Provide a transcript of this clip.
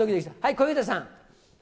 小遊三さん。